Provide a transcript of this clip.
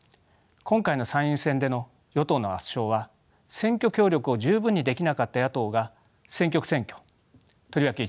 今回の参院選での与党の圧勝は選挙協力を十分にできなかった野党が選挙区選挙とりわけ